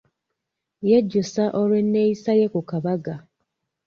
Yejjusa olw'enneeyisa ye ku kabaga.